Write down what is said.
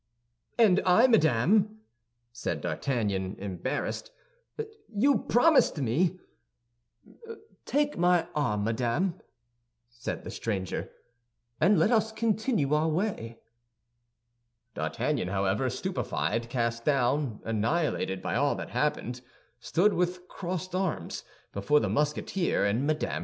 "And I, madame!" said D'Artagnan, embarrassed; "you promised me—" "Take my arm, madame," said the stranger, "and let us continue our way." D'Artagnan, however, stupefied, cast down, annihilated by all that happened, stood, with crossed arms, before the Musketeer and Mme.